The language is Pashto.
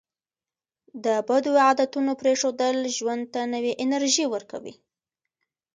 د بدو عادتونو پرېښودل ژوند ته نوې انرژي ورکوي.